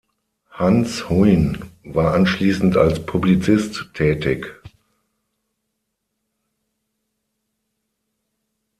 Hans Huyn war anschließend als Publizist tätig.